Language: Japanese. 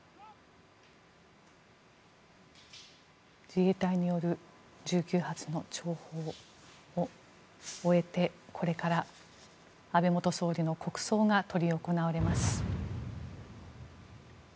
自衛隊による１９発の弔砲を終えてこれから安倍元総理の国葬が執り行われます。